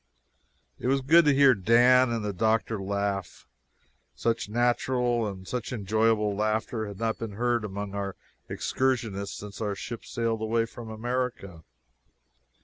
It was good to hear Dan and the doctor laugh such natural and such enjoyable laughter had not been heard among our excursionists since our ship sailed away from America.